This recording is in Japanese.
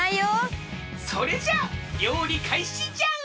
それじゃありょうりかいしじゃ！